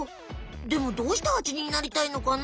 でもどうしてハチになりたいのかな？